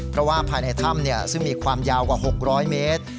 เพราะว่าภายในถ้ำซึ่งมีความยาวกว่า๖๐๐เมตร